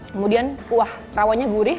kemudian kuah rawonnya gurih